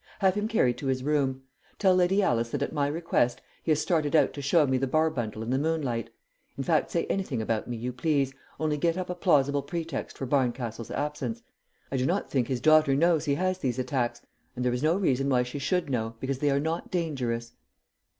Have him carried to his room; tell Lady Alice that at my request he has started out to show me the Barbundle in the moonlight in fact, say anything about me you please, only get up a plausible pretext for Barncastle's absence. I do not think his daughter knows he has these attacks, and there is no reason why she should know, because they are not dangerous."